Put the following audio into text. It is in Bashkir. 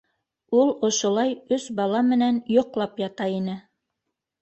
Ул ошолай өс бала менән йоҡлап ята ине.